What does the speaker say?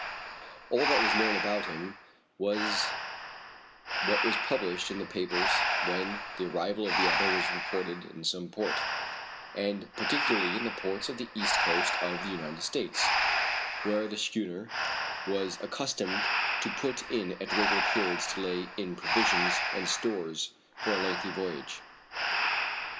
All that was known about him was what was published in the papers when the arrival of the Ebba was reported in some port, and particularly in the ports of the east coast of the United States, where the schooner was accustomed to put in at regular periods to lay in provisions and stores for a lengthy voyage.